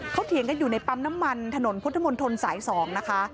เขาเถียงกันอยู่ในปั๊มน้ำมันถนนพุทธมนตรสาย๒นะคะ